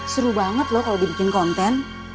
seru banget loh kalau dibikin konten